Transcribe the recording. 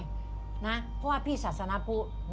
เพราะว่าพี่ศาสนปุ